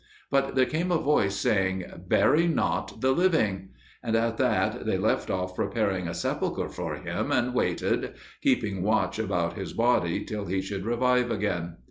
But there came a voice, saying, "Bury not the living." And at that they left off preparing a sepulchre for him, and waited, keeping watch about his body, till he should revive again.